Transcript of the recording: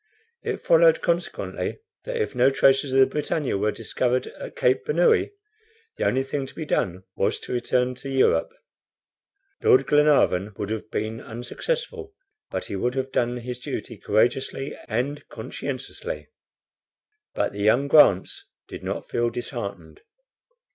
It followed, consequently, that if no traces of the BRITANNIA were discovered at Cape Bernouilli, the only thing to be done was to return to Europe. Lord Glenarvan would have been unsuccessful, but he would have done his duty courageously and conscientiously. But the young Grants did not feel disheartened.